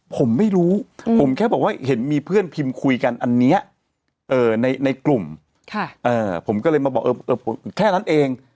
ผมไม่รู้ผมแค่บอกว่าเห็นมีเพื่อนพิมพ์คุยกันอันนี้ในกลุ่มผมก็เลยมาบอกแค่นั้นเอง